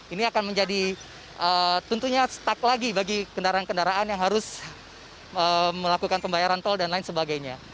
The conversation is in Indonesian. ini akan menjadi tentunya stuck lagi bagi kendaraan kendaraan yang harus melakukan pembayaran tol dan lain sebagainya